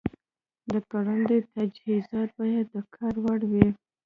د کروندې تجهیزات باید د کار وړ وي.